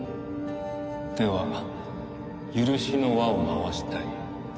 では許しの輪を回したい。